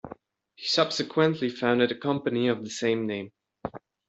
He subsequently founded a company of the same name.